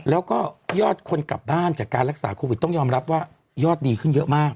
แล้วก็ยอดคนกลับบ้านจากการรักษาโควิดต้องยอมรับว่ายอดดีขึ้นเยอะมาก